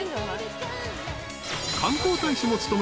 ［観光大使も務める前園。